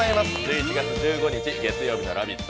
１１月１５日月曜日の「ラヴィット！」